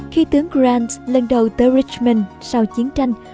khi tướng grant lần đầu tới richmond sau chiến tranh